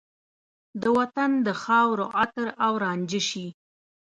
د وطن د خاورو عطر او رانجه شي